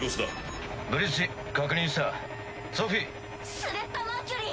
スレッタ・マーキュリー！